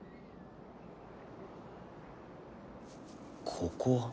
ここは？